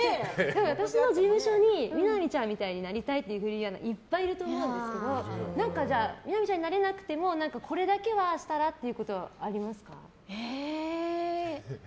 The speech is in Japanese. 私の事務所にみな実ちゃんみたいになりたいっていういっぱいいると思うんですけどじゃあ、みな実ちゃんになれなくてもこれだけはしたら？ってことありますか？